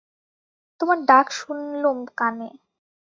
তোমার ডাক শুনলুম কানে।